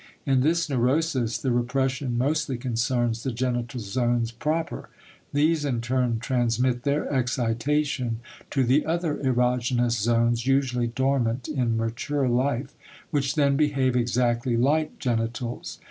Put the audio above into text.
In this neurosis the repression mostly concerns the genital zones proper; these in turn transmit their excitation to the other erogenous zones, usually dormant in mature life, which then behave exactly like genitals.